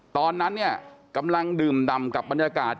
ตอนนั้นเนี่ยกำลังดื่มดำกับบรรยากาศ